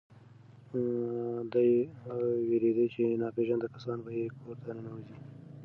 دی وېرېده چې ناپېژانده کسان به یې کور ته ننوځي.